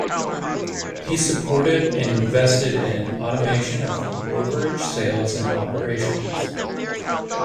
He supported and invested in automation of brokerage sales and operations.